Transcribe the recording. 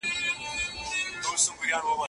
نوی علم ځانګړي خاصیتونه پیدا کړل.